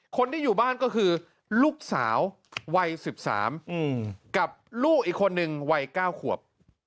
คนที่อยู่บ้านก็คือลูกสาววัย๑๓กับลูกอีกคนนึงวัย๙ขวบ